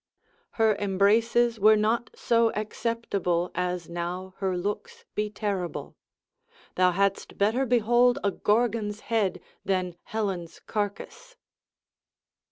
Her embraces were not so acceptable, as now her looks be terrible: thou hadst better behold a Gorgon's head, than Helen's carcass.